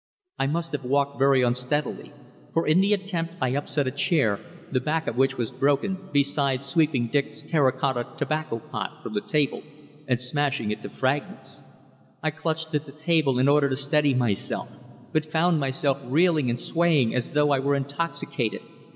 I must have walked very unsteadily, for in the attempt I upset a chair, the back of which was broken, beside sweeping Dick's terra cotta tobacco pot from the table and smashing it to fragments. I clutched at the table in order to steady myself, but found myself reeling and swaying as though I were intoxicated.